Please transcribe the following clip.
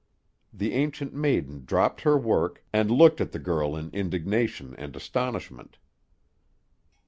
The Ancient Maiden dropped her work, and looked at the girl in indignation and astonishment.